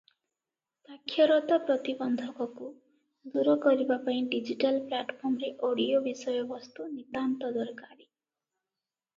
ସାକ୍ଷରତା ପ୍ରତିବନ୍ଧକକୁ ଦୂର କରିବା ପାଇଁ ଡିଜିଟାଲ ପ୍ଲାଟଫର୍ମରେ ଅଡିଓ ବିଷୟବସ୍ତୁ ନିତାନ୍ତ ଦରକାରୀ ।